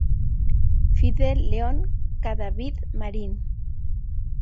Fidel León Cadavid Marín.